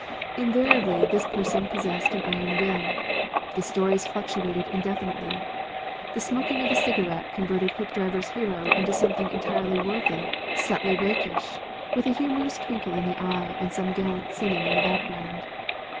Invariably this person possessed an iron will. The stories fluctuated indefinitely. The smoking of a cigarette converted Hoopdriver's hero into something entirely worldly, subtly rakish, with a humorous twinkle in the eye and some gallant sinning in the background.